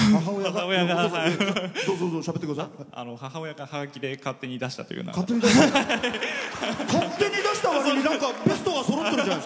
母親がはがきで勝手に出したというような。